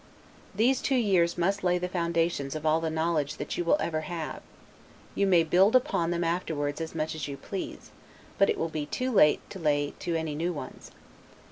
These two years must lay the foundations of all the knowledge that you will ever have; you may build upon them afterward as much as you please, but it will be too late to lay any new ones.